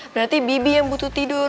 berarti bibi yang butuh tidur